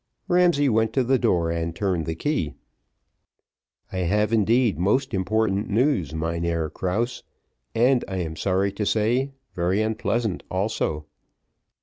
Ramsay went to the door and turned the key. "I have, indeed, most important news, Mynheer Krause, and, I am sorry to say, very unpleasant also."